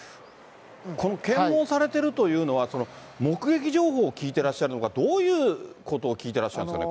この検問されてるというのは、目撃情報を聞いてらっしゃるのか、どういうことを聞いてらっしゃるんですかね？